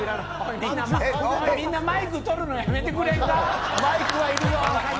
みんなマイク取るのやめてくれんか。